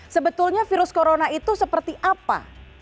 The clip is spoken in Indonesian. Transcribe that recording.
sebetulnya virus corona itu seperti apa